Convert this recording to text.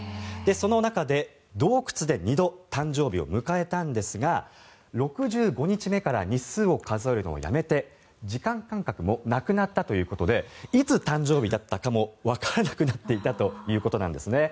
その中で、洞窟で２度誕生日を迎えたんですが６５日目から日数を数えるのをやめて時間感覚もなくなったということでいつ誕生日だったかもわからなくなっていたということなんですね。